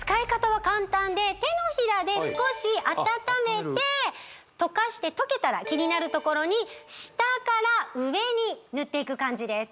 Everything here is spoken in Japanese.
手のひらで少し温めて溶かして溶けたらキニナルところに下から上に塗っていく感じです